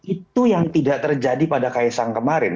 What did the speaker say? itu yang tidak terjadi pada kaisang kemarin